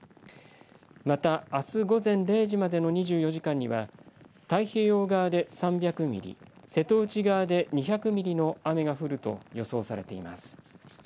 また、あす午前０時までの２４時間には太平洋側で３００ミリ瀬戸内側で２００ミリの雨が降ると予想されています。